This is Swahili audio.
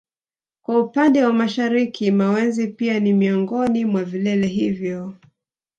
Kwa upande wa mashariki Mawenzi pia ni miongoni mwa vilele hivyo